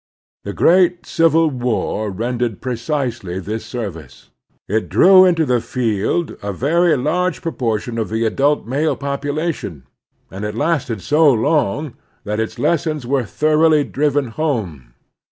The great Civil War rendered precisely this service. It drew into the field a very large proportion of the adult male population, and it lasted so long that its lessons were thoroughly driven home.